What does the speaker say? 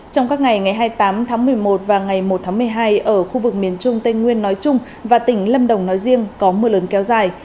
trong các ngày ngày hai mươi tám tháng một mươi một và ngày một tháng một mươi hai ở khu vực miền trung tây nguyên nói chung và tỉnh lâm đồng nói riêng có mưa lớn kéo dài